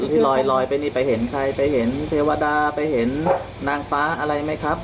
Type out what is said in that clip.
ที่ลอยไปนี่ไปเห็นใครไปเห็นเทวดาไปเห็นนางฟ้าอะไรไหมครับ